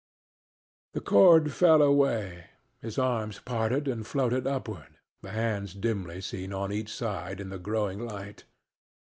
The cord fell away; his arms parted and floated upward, the hands dimly seen on each side in the growing light.